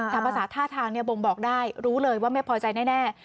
แต่ภาษาท่าทางบ่งบอกได้รู้เลยว่าไม่พอใจแน่